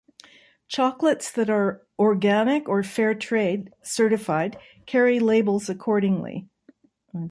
Chocolates that are organic or fair trade certified carry labels accordingly.